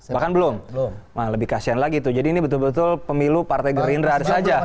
bahkan belum nah lebih kasihan lagi tuh jadi ini betul betul pemilu partai gerindra saja